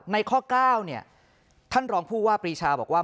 ข้อ๙ท่านรองผู้ว่าปรีชาบอกว่า